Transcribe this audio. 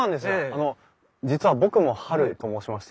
あの実は僕もハルと申しまして。